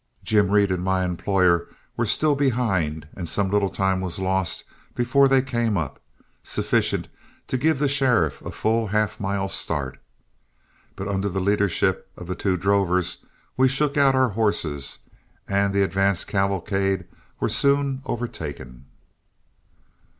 Jim Reed and my employer were still behind, and some little time was lost before they came up, sufficient to give the sheriff a full half mile start. But under the leadership of the two drovers, we shook out our horses, and the advance cavalcade were soon overtaken.